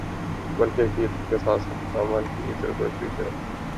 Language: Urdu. بلکہ عقیدت کے ساتھ ساتھ عمل کی ضرورت بھی ہے ۔